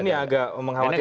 ini agak mengkhawatirkan ya